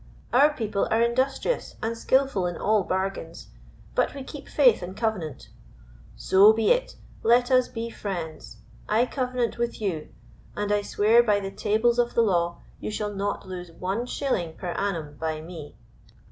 Our people are industrious and skillful in all bargains, but we keep faith and covenant. So be it. Let us be friends. I covenant with you, and I swear by the tables of the law, you shall not lose one shilling per annum by me."